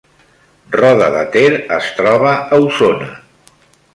Roda de Ter es troba a Osona